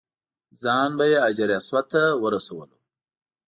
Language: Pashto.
ځان به یې حجر اسود ته ورسولو.